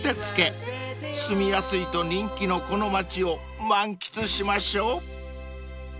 ［住みやすいと人気のこの街を満喫しましょう］